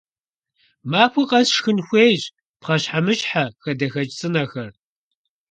Махуэ къэс шхын хуейщ пхъэщхьэмыщхьэ, хадэхэкӀ цӀынэхэр.